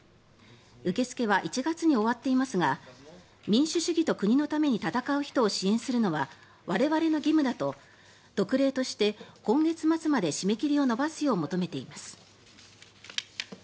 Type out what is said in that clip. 受け付けは１月に終わっていますが民主主義と国のために戦う人を支援するのは我々の義務だと特例として今月末まで締め切りを延ばすよう求めています。